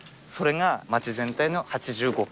それが町全体の８５％。